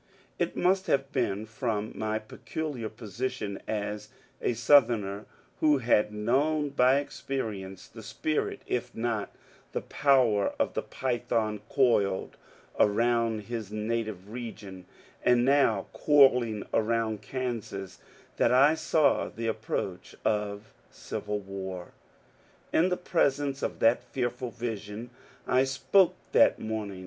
It must have been from my peculiar position as a South erner who had known by experience the spirit if not the power of the python coiled around his native region, and now coiling around E[ansas, that I saw the approach of civil war. In the presence of that fearful vision I spoke that morning.